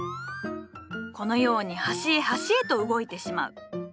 このように端へ端へと動いてしまう。